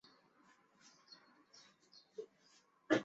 紫单花红丝线为茄科红丝线属下的一个变种。